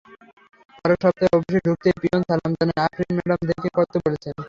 পরের সপ্তাহে অফিসে ঢুকতেই পিয়ন সালাম জানায় আফরিন ম্যাডাম দেখা করতে বলেছেন।